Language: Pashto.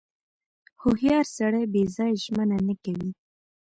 • هوښیار سړی بې ځایه ژمنه نه کوي.